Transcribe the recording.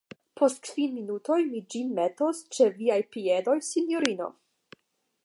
Post kvin minutoj mi ĝin metos ĉe viaj piedoj, sinjorino.